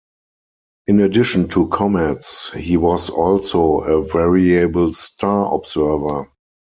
In addition to comets, he was also a variable star observer.